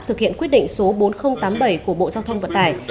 thực hiện quyết định số bốn nghìn tám mươi bảy của bộ giao thông vận tải